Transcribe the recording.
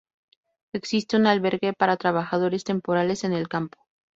Existe un albergue para trabajadores temporales en el campo.